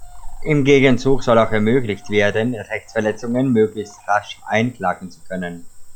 Im Gegenzug soll auch ermöglicht werden, Rechtsverletzungen möglichst rasch einklagen zu können.